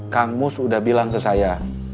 kang mus sudah bilang ke saya